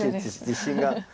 自信が。